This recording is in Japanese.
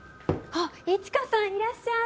あ一華さんいらっしゃい。